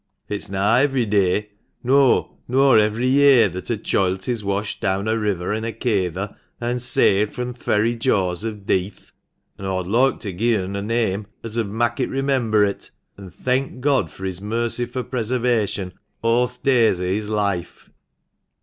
It is na every day, no, nor every year, that a choilt is weshed down a river in a kayther, and saved from th' very jaws of deeath. An' aw'd loike to gi'e un a neame as 'ud mak' it remember it, an' thenk God for his mercifu' preservation a' th' days o' his loife."